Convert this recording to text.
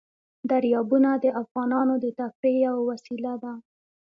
دریابونه د افغانانو د تفریح یوه وسیله ده.